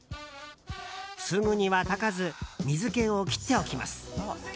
すぐには炊かず水気を切っておきます。